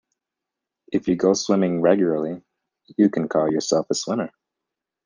If you go swimming regularly, you can call yourself a swimmer.